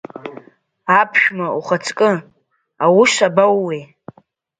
Аԥшәма ухаҵкы, аус абоууеи?